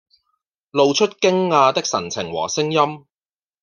露出驚訝的神情和聲音